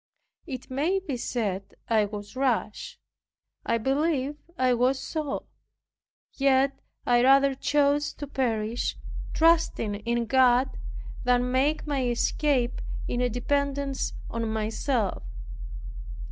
It may be said, "I was rash." I believe I was so; yet I rather chose to perish, trusting in God, than make my escape in a dependence on myself.